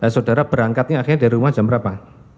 saudara berangkatnya akhirnya dari rumah jam berapa